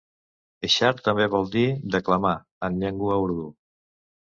Ershad també vol dir "declamar" en llengua urdú.